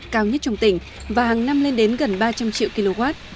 cao nhất trong tỉnh và hàng năm lên đến gần ba trăm linh triệu kw